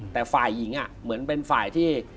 แต่ฝ่ายหญิงเหมือนเป็นฝ่ายที่